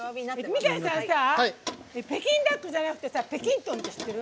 三谷さんさ北京ダックじゃなくて「北京トン」って知ってる？